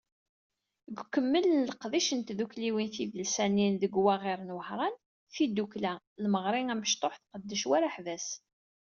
Deg ukemmel n leqdic n tdukkliwin tidelsanin deg waɣir n Wehran, tidukkla Imeɣri Amecṭuḥ, tqeddec war aḥbas.